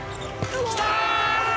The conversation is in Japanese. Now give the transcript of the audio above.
きた！